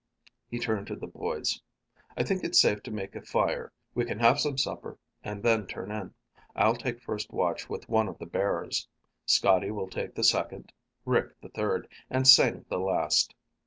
He turned to the boys. "I think it's safe to make a fire. We can have some supper and then turn in. I'll take first watch with one of the bearers. Scotty will take the second, Rick the third, and Sing the last."